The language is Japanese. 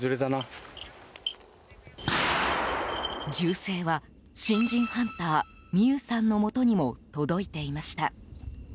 銃声は、新人ハンター巳夢さんのもとにも届いていました。